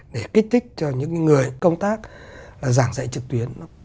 để kích thích cho những người công tác giảng dạy trực tuyến